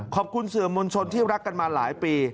ขอบคุณสื่อมวลชนที่รักกันมาหลายปี